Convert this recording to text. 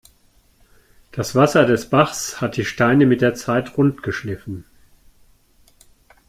Das Wasser des Bachs hat die Steine mit der Zeit rund geschliffen.